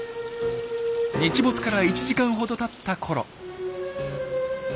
日没から１時間ほどたったころ。